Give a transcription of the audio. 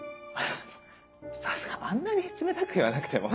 さすがにあんなに冷たく言わなくても。